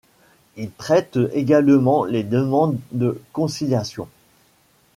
Il traite également les demandes de conciliation.